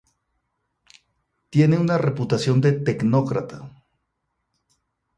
Tiene una reputación de tecnócrata.